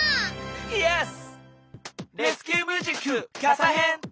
イエス！